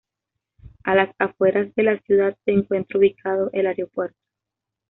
A las afueras de la ciudad se encuentra ubicado el aeropuerto.